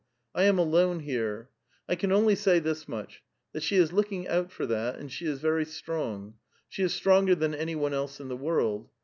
I am alone here. I can only say this much : that she is looking out for that, and she is very strong ; she is stronger than any one else in the world.